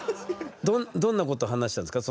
どんなこと話したんですか？